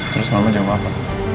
terus mama jawab apa